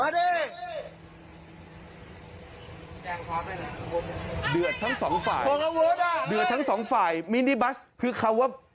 เดือดทั้งสองฝ่ายเดือดทั้งสองฝ่ายมินิบัสคือคำว่า